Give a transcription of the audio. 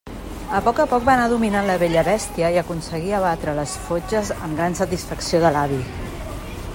A poc a poc va anar dominant la vella bèstia i aconseguia abatre les fotges, amb gran satisfacció de l'avi.